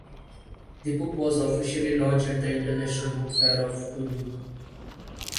The book was officially launched at the International book fair of Turin.